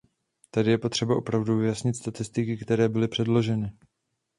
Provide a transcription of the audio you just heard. Tady je potřeba opravdu vyjasnit statistiky, které byly předloženy.